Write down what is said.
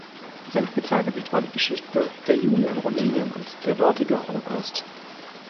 Sein Spezialgebiet war die Geschichte der Juden in Rumänien und der dortige Holocaust.